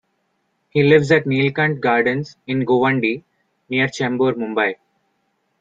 He lives at Neelkanth Gardens in Govandi near Chembur, Mumbai.